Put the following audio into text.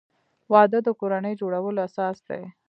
وادۀ د کورنۍ جوړولو اساس دی.